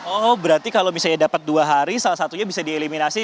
oh berarti kalau misalnya dapat dua hari salah satunya bisa dieliminasi